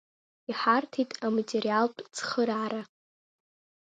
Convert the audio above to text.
Иҳарҭеит аматериалтә цхыраара.